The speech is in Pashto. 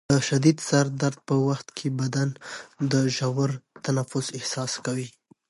د شدید سر درد په وخت کې بدن د ژور تنفس احساس کوي.